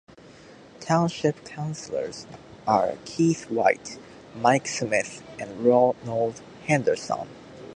Township councillors are Keith White, Mike Smith and Ronald Hederson.